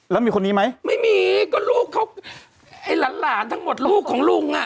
แล้วมีคนนี้ไหมไม่มีก็ลูกเขาไอ้หลานหลานทั้งหมดลูกของลุงอ่ะ